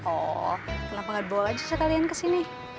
oh kenapa gak dibawa aja sekalian kesini